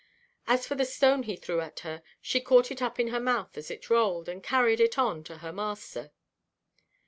As for the stone he threw at her, she caught it up in her mouth as it rolled, and carried it on to her master.